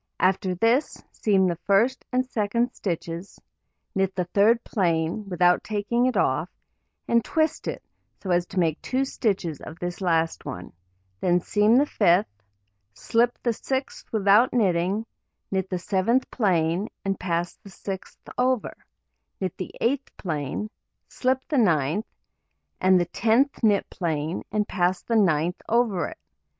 After this, seam the first and second stitches, knit the third plain, without taking it off, and twist it so as to make 2 stitches of this last one; then seam the fifth, slip the sixth without knitting, knit the seventh plain, and pass the sixth over, knit the eighth plain, slip the ninth, and the tenth knit plain, and pass the ninth over it.